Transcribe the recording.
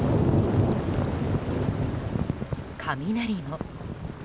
雷も。